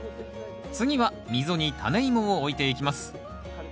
次は溝にタネイモを置いていきます。